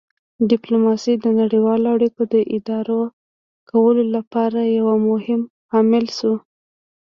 ډیپلوماسي د نړیوالو اړیکو د اداره کولو لپاره یو مهم عامل شوه